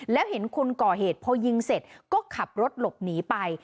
แล้วเห็นคนก่อเหตุพอยิงเสร็จก็ขับรถหลบหนีไป